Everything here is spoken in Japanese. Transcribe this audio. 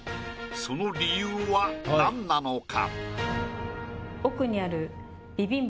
その理由はなんなのか？